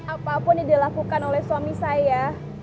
apapun yang dilakukan oleh suami saya